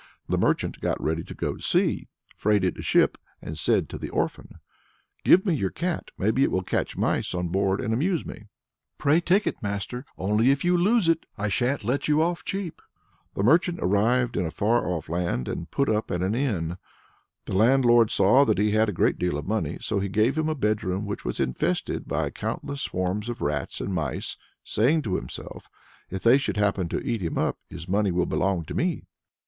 The merchant got ready to go to sea, freighted a ship, and said to the orphan: "Give me your cat; maybe it will catch mice on board, and amuse me." "Pray take it, master! only if you lose it, I shan't let you off cheap." The merchant arrived in a far off land, and put up at an inn. The landlord saw that he had a great deal of money, so he gave him a bedroom which was infested by countless swarms of rats and mice, saying to himself, "If they should happen to eat him up, his money will belong to me."